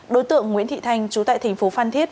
đối tượng nguyễn thị thanh chú tại thành phố phan thiết